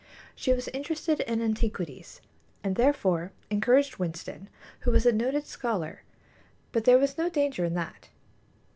She was interested in antiquities, and therefore encouraged Winston, who was a noted scholar; but there was no danger in that.